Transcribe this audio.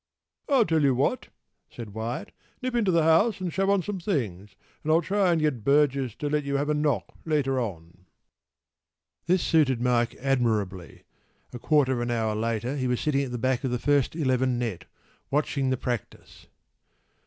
p> “I tell you what,” said Wyatt, “nip into the house and shove on some things, and I’ll try and get Burgess to let you have a knock later on.” This suited Mike admirably.  A quarter of an hour later he was sitting at the back of the first eleven net, watching the practice.